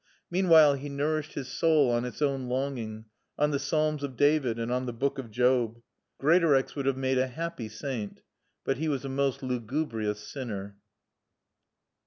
Meanwhile he nourished his soul on its own longing, on the Psalms of David and on the Book of Job. Greatorex would have made a happy saint. But he was a most lugubrious sinner.